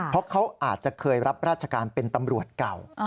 เพราะเขาอาจจะเคยรับราชการเป็นตำรวจเก่า